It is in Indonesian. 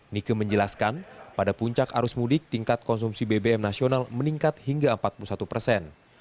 nike menjelaskan pada puncak arus mudik tingkat konsumsi bbm nasional meningkat hingga empat puluh satu persen